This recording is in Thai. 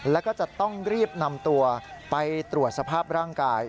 แล้วก็จะต้องรีบนำตัวไปตรวจสภาพร่างกาย